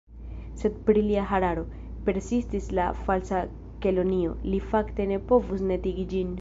« Sed pri lia hararo," persistis la Falsa Kelonio, "li fakte ne povus netigi ĝin."